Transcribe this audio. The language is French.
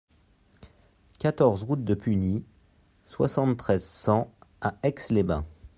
quatorze route de Pugny, soixante-treize, cent à Aix-les-Bains